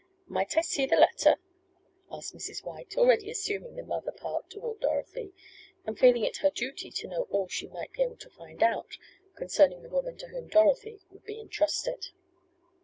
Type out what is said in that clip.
"Might I see the letter?" asked Mrs. White, already assuming the mother part toward Dorothy, and feeling it her duty to know all she might be able to find out concerning the woman to whom Dorothy would be entrusted.